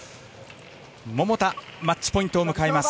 桃田、マッチポイントを迎えます。